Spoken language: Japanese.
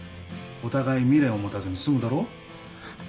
お互い未練を持たずに済むだろう？